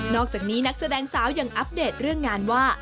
อกจากนี้นักแสดงสาวยังอัปเดตเรื่องงานว่า